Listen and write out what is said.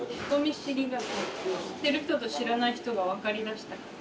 知ってる人と知らない人が分かりだしたから。